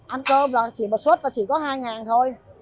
ăn cơm là chỉ một suất là chỉ có hai ngàn thôi